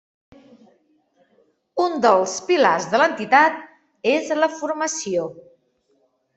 Un dels pilars de l'entitat és la formació.